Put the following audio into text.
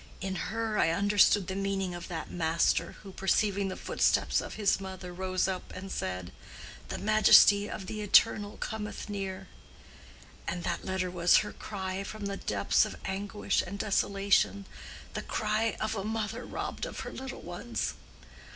In her I understood the meaning of that Master who, perceiving the footsteps of his mother, rose up and said, 'The Majesty of the Eternal cometh near!' And that letter was her cry from the depths of anguish and desolation—the cry of a mother robbed of her little ones.